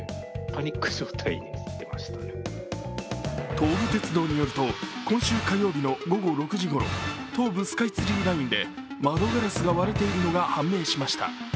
東武鉄道によると今週火曜日の午後６時ごろ、東武スカイツリーラインで窓ガラスが割れているのが判明しました。